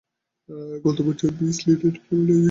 গত বছর Miss Lynette একটা পার্টির আয়োজন করেছিলেন।